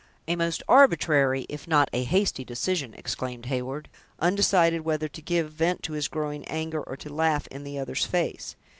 "A most arbitrary, if not a hasty decision!" exclaimed Heyward, undecided whether to give vent to his growing anger, or to laugh in the other's face.